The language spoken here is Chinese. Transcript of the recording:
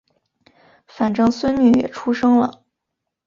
反正孙女也出生了